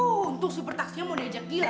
oh untuk super taksinya mau diajak gila